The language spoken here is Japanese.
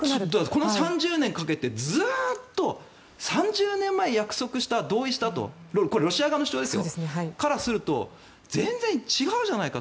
この３０年かけてずっと３０年前に約束したロシア側の主張からすると全然違うじゃないか。